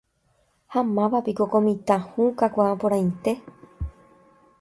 Ha mávapiko ko mitã hũ kakuaaporãite.